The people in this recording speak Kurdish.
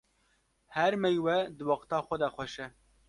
Her meywe di wexta xwe de xweş e